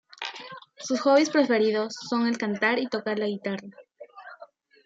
Sus hobbies preferidos son el cantar y tocar la guitarra.